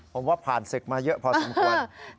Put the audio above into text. ผมว่าผ่านศึกมาเยอะพอสมควร